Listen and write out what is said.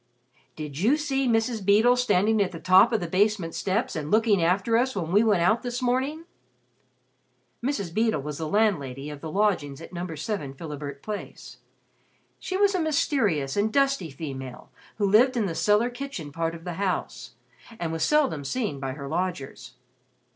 "Did you see Mrs. Beedle standing at the top of the basement steps and looking after us when we went out this morning?" Mrs. Beedle was the landlady of the lodgings at No. 7 Philibert Place. She was a mysterious and dusty female, who lived in the "cellar kitchen" part of the house and was seldom seen by her lodgers.